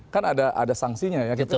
kan ada sanksinya ya